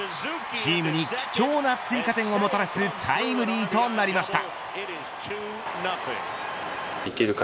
チームに貴重な追加点をもたらすタイムリーとなりました。